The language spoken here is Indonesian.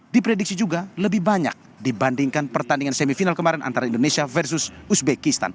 diprediksi juga lebih banyak dibandingkan pertandingan semifinal kemarin antara indonesia versus uzbekistan